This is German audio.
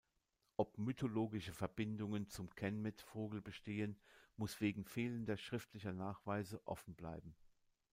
Ob mythologische Verbindungen zum Kenmet-Vogel bestehen, muss wegen fehlender schriftlicher Nachweise offenbleiben.